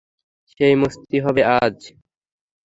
সেই মস্তি হবে আজ।